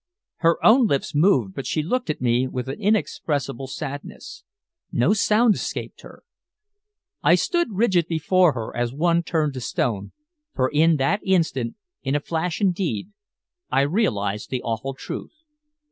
Her own lips moved, but she looked at me with an inexpressible sadness. No sound escaped her. I stood rigid before her as one turned to stone, for in that instant, in a flash indeed, I realized the awful truth.